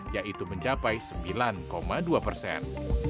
yaitu mencapai sembilan dua persen